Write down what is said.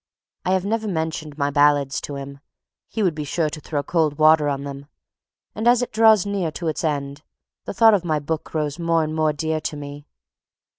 I have never mentioned my ballads to him. He would be sure to throw cold water on them. And as it draws near to its end the thought of my book grows more and more dear to me.